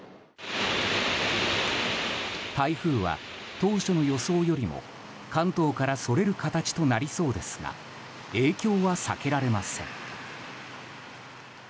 台風は当初の予想よりも関東からそれる形となりそうですが影響は避けられません。